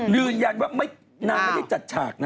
ยืนยันว่านางไม่ได้จัดฉากนะ